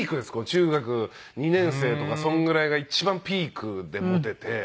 中学２年生とかそのぐらいが一番ピークでモテて。